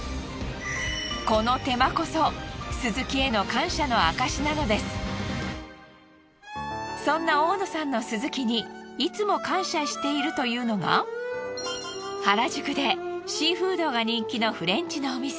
この手間こそそんな大野さんのスズキにいつも感謝しているというのが原宿でシーフードが人気のフレンチのお店。